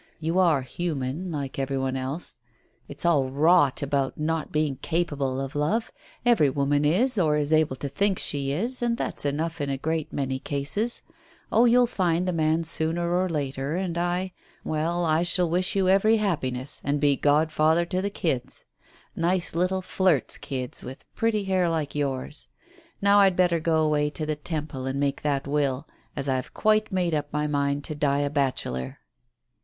You are human like every one else. It's all rot about not being capable of loving ; every woman is or is able to think she is, and that's enough in a great many cases. Oh, you'll find the man sooner or later, and I — well, I shall wish you every happiness and be godfather to the kids. Nice little flirt's kids, with pretty hair like yours. Now, I'd better go away to the Temple and make that will, as I've quite made up my mind to die a bachelor."